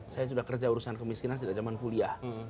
saya sudah kerja urusan kemiskinan sejak zaman kuliah